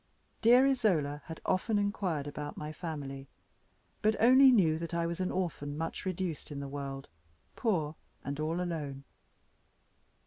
Dear Isola had often inquired about my family, but only knew that I was an orphan, much reduced in the world, poor, and all alone.